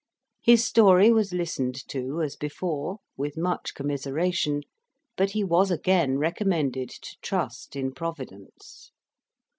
His story was listened to as before, with much commiseration, but he was again recommended to trust in Providence.